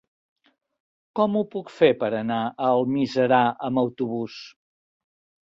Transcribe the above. Com ho puc fer per anar a Almiserà amb autobús?